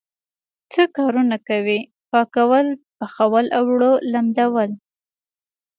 څه کارونه کوئ؟ پاکول، پخول او اوړه لمدول